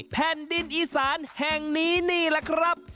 แผ่นดินอีสานแห่งนี้นี่แหละครับ